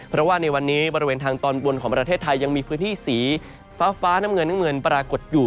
เพราะว่าในวันนี้บริเวณทางตอนบนของประเทศไทยยังมีพื้นที่สีฟ้าน้ำเงินน้ำเงินปรากฏอยู่